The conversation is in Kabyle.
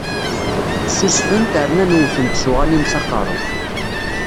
Ssusfen-t, rnan wwten-t s uɣanim s aqerru.